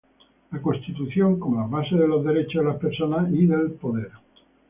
La Constitución como las bases de los derechos de las personas y del poder.